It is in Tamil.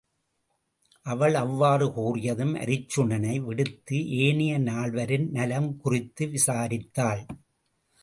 அவன் அவ்வாறு கூறியதும் அருச்சுனனை விடுத்து ஏனைய நால்வரின் நலம் குறித்து விசாரித்தாள்.